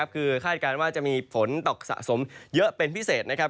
คือคาดการณ์ว่าจะมีฝนตกสะสมเยอะเป็นพิเศษนะครับ